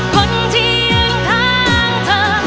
คนที่ยืนข้างเธอ